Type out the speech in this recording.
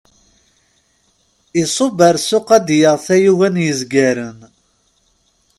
Iṣubb ar ssuq ad d-yaɣ tayuga n yezgaren.